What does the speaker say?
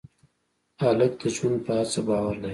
هلک د ژوند په هڅه باور لري.